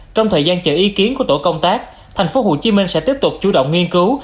trong thời gian chờ ý kiến của tổ công tác tp hcm sẽ tiếp tục chủ động nghiên cứu